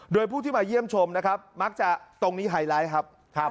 โดยผู้ที่มาเยี่ยมชมนะครับมักจะตรงนี้ไฮไลท์ครับ